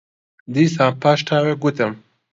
دیسان پاش تاوێک گوتم: